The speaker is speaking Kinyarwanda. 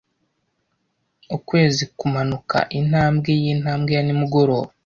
Ukwezi kumanuka intambwe yintambwe ya nimugoroba,